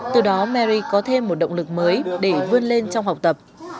từ đó mary có thêm một động lực mới để vươn lên trong học tập